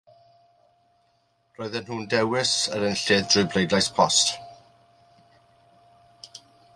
Roedden nhw'n dewis yr enillwyr drwy bleidlais bost.